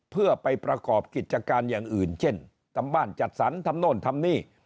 เพื่อไปประกอบกิจการอย่างอื่นเช่นทำบ้านจัดสรรทำโน่นทำนี่